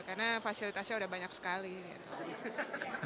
karena fasilitasnya udah banyak sekali gitu